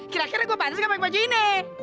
kira kira gue pantes gak pake baju ini